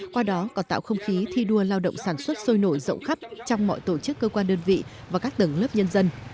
qua đó còn tạo không khí thi đua lao động sản xuất sôi nổi rộng khắp trong mọi tổ chức cơ quan đơn vị và các tầng lớp nhân dân